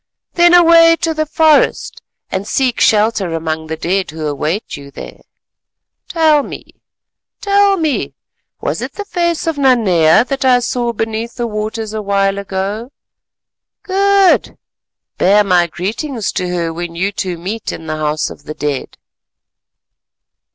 Then away to the forest and seek shelter among the dead who await you there. Tell me, tell me, was it the face of Nanea that I saw beneath the waters a while ago? Good! bear my greetings to her when you two meet in the House of the Dead."